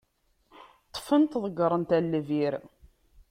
Ṭṭfen-t, ḍeggren-t ɣer lbir.